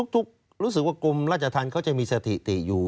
รู้สึกว่ากรมราชธรรมเขาจะมีสถิติอยู่